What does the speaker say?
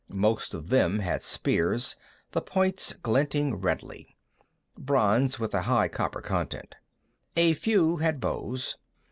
Most of them had spears, the points glinting redly. Bronze, with a high copper content. A few had bows.